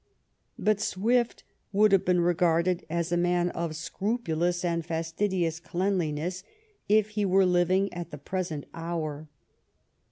But Swift would have been regarded as a man of scrupu 226 JONATHAN SWIFT louB and fastidious cleanliness if he were living at the present hour.